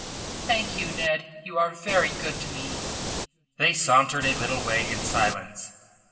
"Thank you, Ned. You are very good to me." They sauntered a little way in silence.